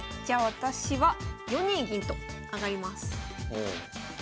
じゃあ私は４二銀と上がります。